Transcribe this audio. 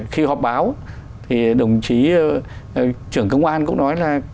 khi họp báo thì đồng chí trưởng công an cũng nói là